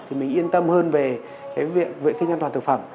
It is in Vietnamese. thì mình yên tâm hơn về cái việc vệ sinh an toàn thực phẩm